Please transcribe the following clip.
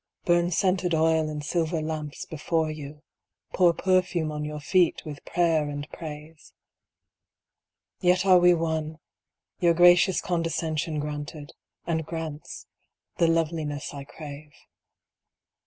Burn scented oil in silver lamps before You, Pour perfume on Your feet with prayer and praise. Yet are we one; Your gracious condescension Granted, and grants, the loveliness I crave.